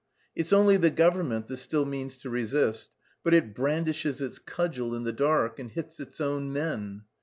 It's only the government that still means to resist, but it brandishes its cudgel in the dark and hits its own men.